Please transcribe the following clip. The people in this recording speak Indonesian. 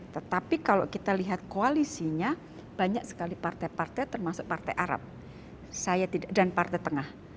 tetapi kalau kita lihat koalisinya banyak sekali partai partai termasuk partai arab dan partai tengah